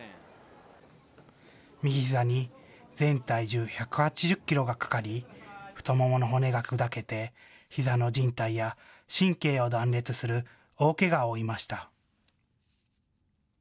右ひざに全体重１８０キロがかかり、太ももの骨が砕けてひざのじん帯や神経を断裂する大けがを負いました。